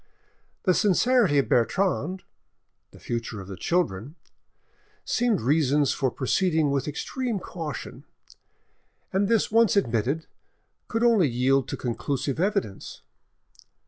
The sincerity of Bertrande, the future of the children, seemed reasons for proceeding with extreme caution, and this once admitted, could only yield to conclusive evidence.